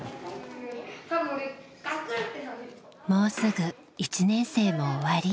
もうすぐ１年生も終わり。